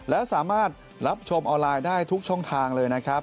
และสามารถรับชมออนไลน์ได้ทุกช่องทางเลยนะครับ